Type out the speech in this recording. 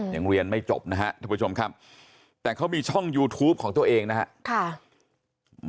ยังเรียนไม่จบนะครับทุกผู้ชมครับแต่เขามีช่องยูทูปของตัวเองนะครับ